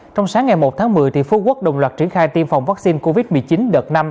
trong sáng ngày một tháng một mươi phú quốc đồng loạt triển khai tiêm phòng vaccine covid một mươi chín đợt năm